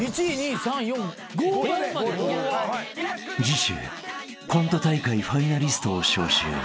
［次週コント大会ファイナリストを招集］